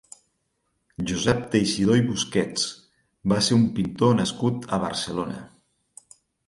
Josep Teixidor i Busquets va ser un pintor nascut a Barcelona.